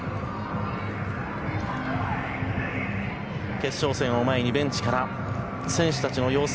決勝戦を前にベンチから選手たちの様子